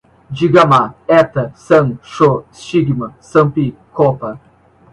digama, hetá, san, sho, stigma, sampi, qoppa